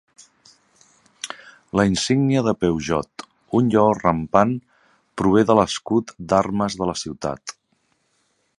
La insígnia de Peugeot, un lleó rampant, prové de l"escut d"armes de la ciutat.